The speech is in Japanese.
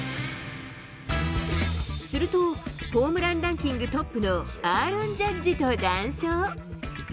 すると、ホームランランキングトップのアーロン・ジャッジと談笑。